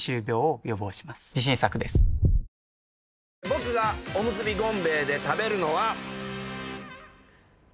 僕がおむすび権米衛で食べるのは。